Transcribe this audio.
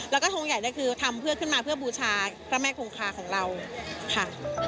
แล้วก็ทงใหญ่ก็คือทำเพื่อขึ้นมาเพื่อบูชาพระแม่คงคาของเราค่ะ